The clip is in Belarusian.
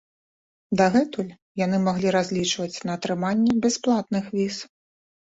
Дагэтуль яны маглі разлічваць на атрыманне бясплатных віз.